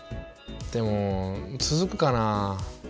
でも続くかなぁ。